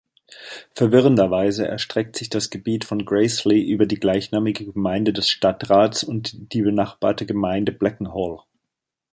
Verwirrenderweise erstreckt sich das Gebiet von Graiseley über die gleichnamige Gemeinde des Stadtrats und die benachbarte Gemeinde Blakenhall.